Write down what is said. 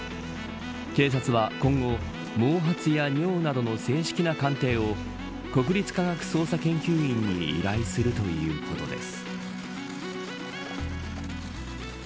警察は今後毛髪や尿などの正式な鑑定を国立科学捜査研究院に依頼するということです。